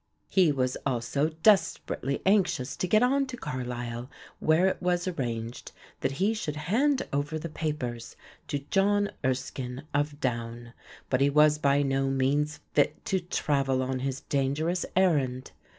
He was also desperately anxious to get on to Carlisle where it was arranged that he should hand over the papers to Johnne Erskyne of Doun, but he was by no means fit to travel on his dangerous errand.